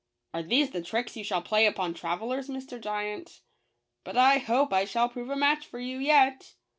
"Are these the tricks you play upon travelers, Mr. Giant. But I hope I shall prove a match for you yet."